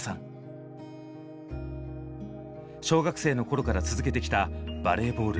小学生の頃から続けてきたバレーボール。